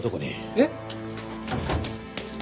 えっ？